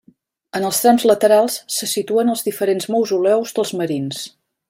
En els trams laterals se situen els diferents mausoleus dels marins.